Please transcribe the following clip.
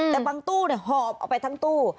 แต่บางตู้เนี่ยห่อออกไปทั้งตู้